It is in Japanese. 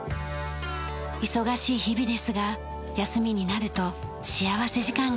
忙しい日々ですが休みになると幸福時間が来ます。